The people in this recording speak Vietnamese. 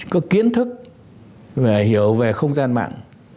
có kiến thức về hiểu về không gian mạng